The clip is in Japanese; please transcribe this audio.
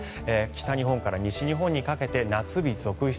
北日本から西日本にかけて夏日続出。